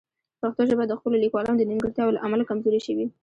پښتو ژبه د خپلو لیکوالانو د نیمګړتیاوو له امله کمزورې شوې.